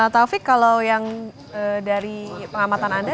taufik kalau yang dari pengamatan anda